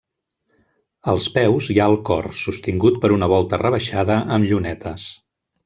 Als peus hi ha el cor, sostingut per una volta rebaixada amb llunetes.